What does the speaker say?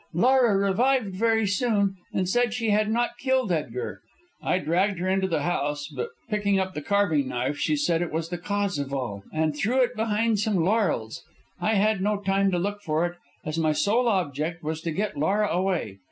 Laura revived very soon, and said she had not killed Edgar. I dragged her into the house; but picking up the carving knife she said it was the cause of all, and threw it behind some laurels. I had no time to look for it, as my sole object was to get Laura away.